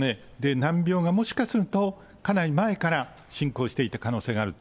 難病がもしかするとかなり前から進行していた可能性があると。